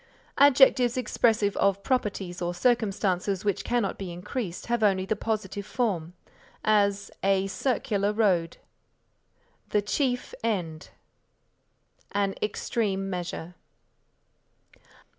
Adjectives expressive of properties or circumstances which cannot be increased have only the positive form; as, A circular road; the chief end; an extreme measure.